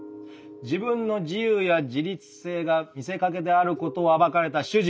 自分の自由や自立性が見せかけであることを暴かれた主人。